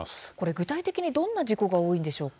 具体的にどんな事故が多いんでしょうか。